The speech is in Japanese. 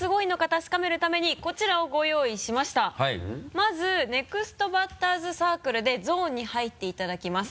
まずネクストバッターズサークルでゾーンに入っていただきます。